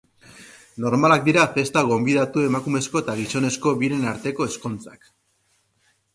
Normalak dira festa gonbidatu emakumezko eta gizonezko biren arteko ezkontzak.